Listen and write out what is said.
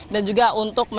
dan juga untuk menolak